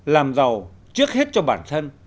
làm giàu trước hết cho bản thân